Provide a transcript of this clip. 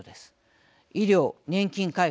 医療年金介護。